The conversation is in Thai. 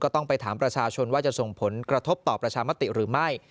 ต้องไปถามประชาชนว่าจะส่งผลกระทบต่อประชามติหรือไม่